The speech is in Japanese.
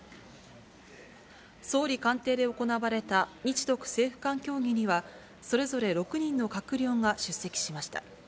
総理官邸で行われた日独政府間協議には、それぞれ６人の閣僚が出席しました。